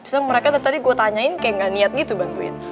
tapi tadi gue tanyain kayak nggak niat gitu bantuin